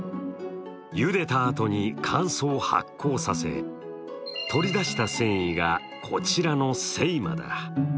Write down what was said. ゆでたあとに、乾燥・発酵させ取り出した繊維がこちらの精麻だ。